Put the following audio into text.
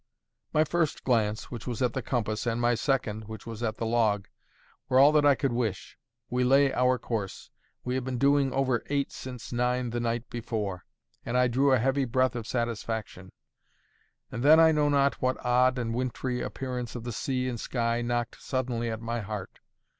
My first glance, which was at the compass, and my second, which was at the log, were all that I could wish. We lay our course; we had been doing over eight since nine the night before; and I drew a heavy breath of satisfaction. And then I know not what odd and wintry appearance of the sea and sky knocked suddenly at my heart.